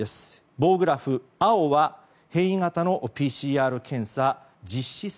棒グラフ、青は変異型のＰＣＲ検査実施数。